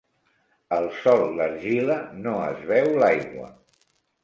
El sòl d'argila no es beu l'aigua.